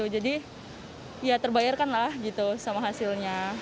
jadi terbayarkanlah sama hasilnya